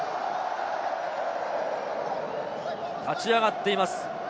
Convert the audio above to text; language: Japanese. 立ち上がっています。